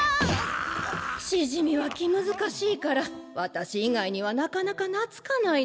しじみは気難しいから私以外にはなかなかなつかないのよ。